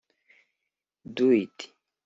” “Do It